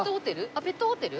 あっペットホテル？